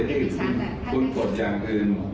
ผมไม่มีเวลามาสนใจกับคุณหรอก